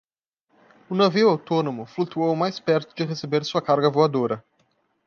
O navio autônomo flutuou mais perto de receber sua carga voadora.